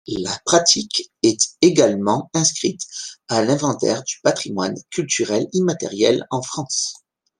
La pratique est également inscrite à l'Inventaire du patrimoine culturel immatériel en France.